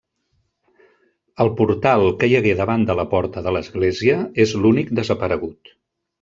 El portal que hi hagué davant de la porta de l'església és l'únic desaparegut.